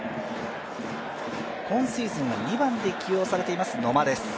今シーズンは２番で起用されています野間です。